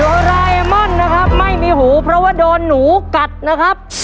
รายเอมอนนะครับไม่มีหูเพราะว่าโดนหนูกัดนะครับ